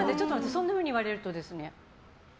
そんなふうに言われると。